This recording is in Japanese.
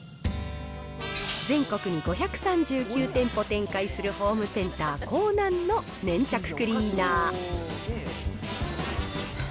全国に５３９店舗展開するホームセンター、コーナンの粘着クリーナー。